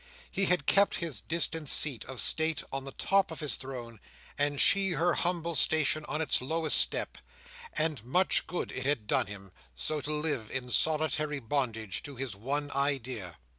He had kept his distant seat of state on the top of his throne, and she her humble station on its lowest step; and much good it had done him, so to live in solitary bondage to his one idea.